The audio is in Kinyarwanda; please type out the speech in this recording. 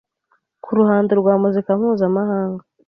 ku ruhando rwa muzika mpuzamahanga